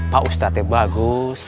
pak udia bagus